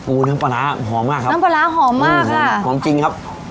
น้ำปลาร้าหอมมากครับน้ำปลาร้าหอมมากเลยค่ะหอมจริงครับ